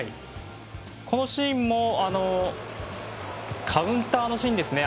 このシーンもカウンターのシーンですね。